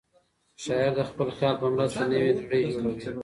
شاعر د خپل خیال په مرسته نوې نړۍ جوړوي.